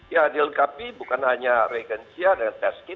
ya dilengkapi bukan hanya regensia dan tes kit